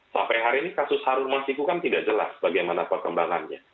sampai hari ini kasus harun masiku kan tidak jelas bagaimana perkembangannya